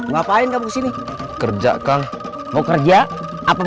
rak spiritual setup